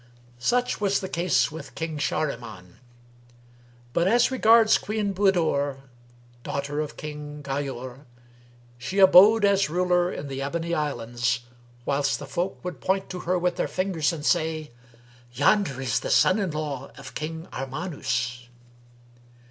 "[FN#327] Such was the case with King Shahriman; but as regards Queen Budur daughter of King Ghayur, she abode as ruler in the Ebony Islands, whilst the folk would point to her with their fingers, and say, "Yonder is the son in law of King Armanus."